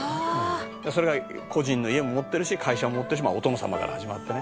「それが個人の家も持ってるし会社も持ってるしお殿様から始まってね」